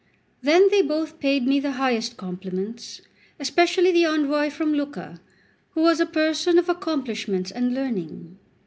Then they both paid me the highest compliments, especially the envoy from Lucca, who was a person of accomplishments and learning.